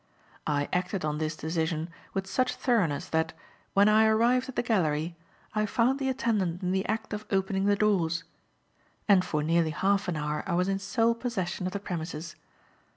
I acted on this decision with such thoroughness that, when I arrived at the gallery, I found the attendant in the act of opening the doors, and, for nearly half an hour I was in sole possession of the premises.